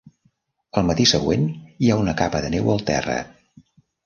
El matí següent hi ha una capa de neu al terra.